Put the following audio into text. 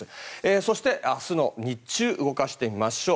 そして、明日の日中動かしてみましょう。